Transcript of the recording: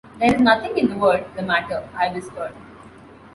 ‘There is nothing in the world the matter,’ I whispered.